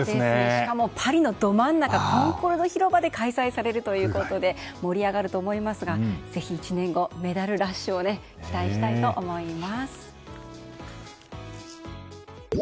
しかもパリのど真ん中コンコルド広場で開催されるということで盛り上がると思いますがぜひ１年後、メダルラッシュを期待したいと思います。